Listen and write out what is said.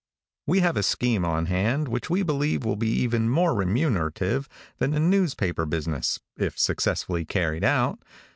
|WE have a scheme on hand which we believe will be even more remunerative than the newspaper business, if successfully carried out.